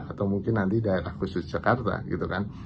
atau mungkin nanti daerah khusus jakarta gitu kan